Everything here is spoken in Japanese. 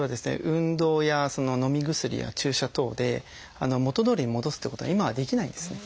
運動やのみ薬や注射等で元どおりに戻すっていうことが今はできないんですね。